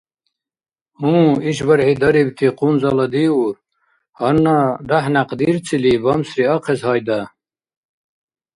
Гьу, ишбархӀи дарибти къунзъала диур. Гьанна дяхӀ-някъ дирцили бамсри ахъес, гьайда!